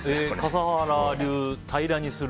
笠原流、平らにする。